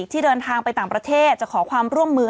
ที่เดินทางไปต่างประเทศจะขอความร่วมมือ